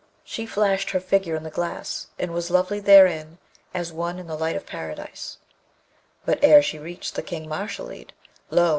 She flashed her figure in the glass, and was lovely therein as one in the light of Paradise; but ere she reached the King Mashalleed, lo!